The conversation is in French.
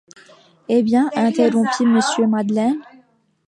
Eh bien ? interrompit Monsieur Madeleine.